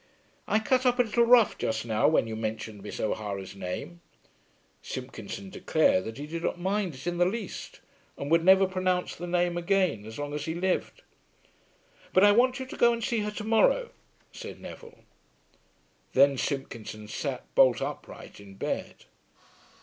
"I cut up a little rough just now when you mentioned Miss O'Hara's name." Simpkinson declared that he did not mind it in the least, and would never pronounce the name again as long as he lived. "But I want you to go and see her to morrow," said Neville. Then Simpkinson sat bolt upright in bed.